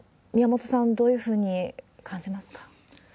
宮本さん、どういうふうに感じますか？